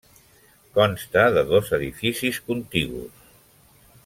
Consta de dos edificis contigus.